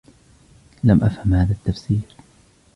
لم أفهم هذا التفسير.